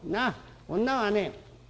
女はね